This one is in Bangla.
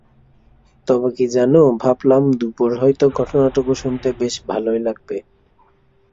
তবে কী জানো, ভাবলাম দুপোঁর হয়তো ঘটনাটুকু শুনতে বেশ ভালোই লাগবে।